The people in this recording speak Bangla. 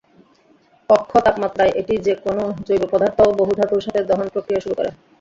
কক্ষ তাপমাত্রায় এটি যেকোনও জৈব পদার্থ ও বহু ধাতুর সাথে দহন প্রক্রিয়া শুরু করে।